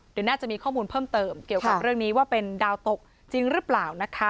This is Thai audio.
เดี๋ยวน่าจะมีข้อมูลเพิ่มเติมเกี่ยวกับเรื่องนี้ว่าเป็นดาวตกจริงหรือเปล่านะคะ